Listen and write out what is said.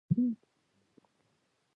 دوستانه اړیکې ورسره وساتي.